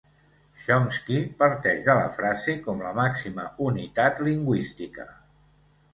Chomsky parteix de la frase com la màxima unitat lingüística.